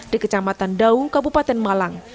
di kecamatan daung kabupaten malang